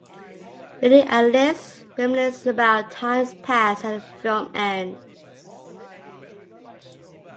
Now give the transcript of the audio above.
Lilly and Ilse reminisce about times past as the film ends.